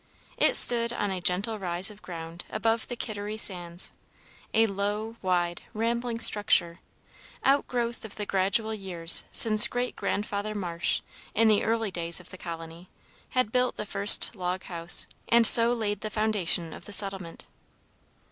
It stood on a gentle rise of ground above the Kittery sands, a low, wide, rambling structure, outgrowth of the gradual years since great grandfather Marsh, in the early days of the colony, had built the first log house, and so laid the foundation of the settlement.